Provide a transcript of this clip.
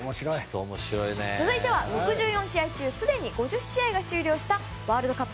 続いては６４試合中すでに５０試合が終了したワールドカップ。